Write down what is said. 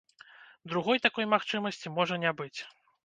Другой такой магчымасці можа не быць.